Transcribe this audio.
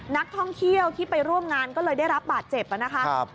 นักท่องเที่ยวที่ไปร่วมงานก็เลยได้รับบาดเจ็บนะคะ